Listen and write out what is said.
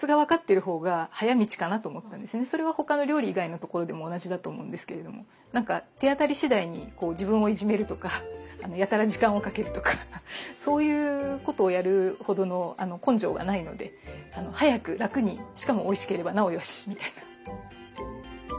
それは他の料理以外のところでも同じだと思うんですけれども手当たり次第に自分をいじめるとかやたら時間をかけるとかそういうことをやるほどの根性がないので早く楽にしかもおいしければなおよしみたいな。